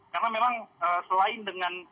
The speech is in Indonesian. karena memang selain dengan